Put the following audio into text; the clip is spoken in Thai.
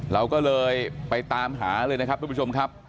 เราก็เลยไปตามหาเลยนะครับทุกผู้ชมครับ